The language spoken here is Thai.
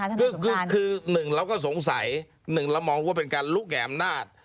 ท่านหนุ่มสูงภารณ์คือคือหนึ่งเราก็สงสัยหนึ่งเรามองว่าเป็นการรู้แก่อำนาจ